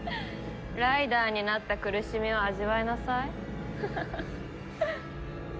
ライダーになった苦しみを味わいなさい。